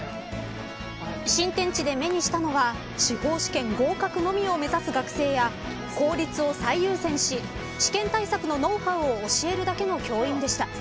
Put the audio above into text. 新天地で目にしたのは司法試験合格のみを目指す学生や効率を最優先し試験対策のノウハウを教えるだけの教員でした。